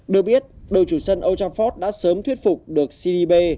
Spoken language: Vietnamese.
được biết đội chủ sân old trafford đã sớm thuyết phục được cdb